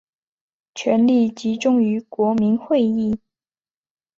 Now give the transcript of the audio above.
权力集中于国民议会。